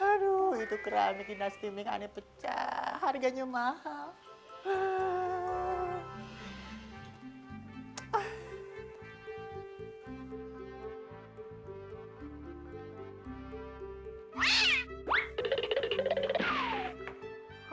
aduh itu keramik indah steaming aneh pecah harganya mahal